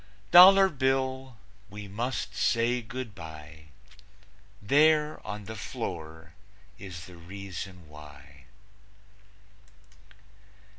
Dollar Bill, we must say good by; There on the floor is the Reason Why.